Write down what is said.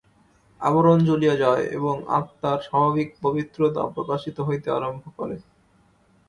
আবরণ চলিয়া যায় এবং আত্মার স্বাভাবিক পবিত্রতা প্রকাশিত হইতে আরম্ভ করে।